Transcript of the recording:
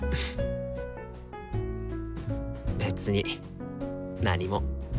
別に何も。